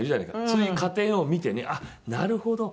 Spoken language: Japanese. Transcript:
そういう家庭のを見てねあっなるほど！